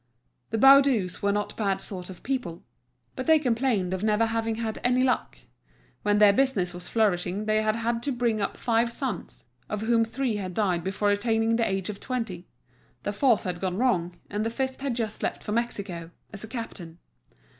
The Baudus were not bad sort of people. But they complained of never having had any luck. When their business was flourishing, they had had to bring up five sons, of whom three had died before attaining the age of twenty; the fourth had gone wrong, and the fifth had just left for Mexico, as a captain.